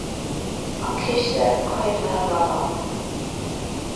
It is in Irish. An Ciste Caomhnaithe Bradán.